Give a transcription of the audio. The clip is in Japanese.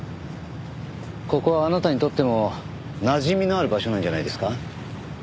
ここはあなたにとってもなじみのある場所なんじゃないですか？